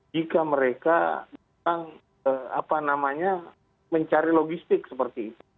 jika mereka mencari logistik seperti itu